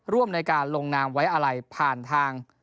ร่วมในการลงนามไว้อะไรผ่านทาง